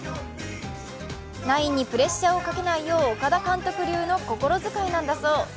ナインにプレッシャーをかけないよう岡田監督流の心遣いなんだそう。